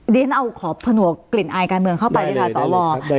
เรียนเอาขอผนวกกลิ่นอายการเมืองเข้าไปด้วยค่ะสว